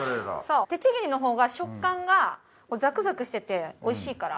手ちぎりの方が食感がザクザクしてておいしいから。